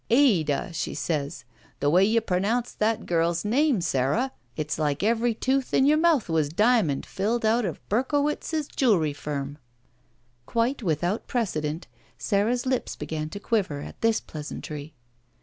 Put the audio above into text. "Ada!" she says. "The way you pronoimce that girl's name, Sara, it's like every tooth in your mouth was diamond filled out of Berkowitz's jewelry firm." Quite without precedent Sara's lips began to quiver at this pleasantry.